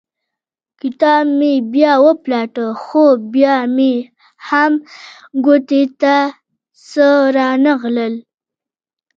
کتاب مې بیا وپلټه خو بیا مې هم ګوتو ته څه رانه غلل.